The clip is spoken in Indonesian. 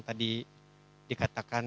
jadi sekitar delapan ratus orang